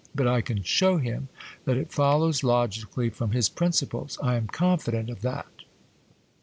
But I can show him that it follows logically from his principles; I am confident of that.